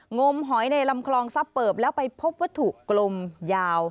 งมหอยในลำคลองซับเปิบแล้วไปพบวัตถุกลมยาว